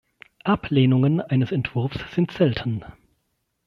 Ablehnungen eines Entwurfes sind selten.